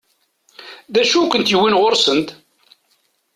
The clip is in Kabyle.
D acu i kent-yewwin ɣur-sent?